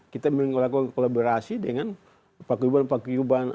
kita melakukan kolaborasi dengan pakuyuban pakyuban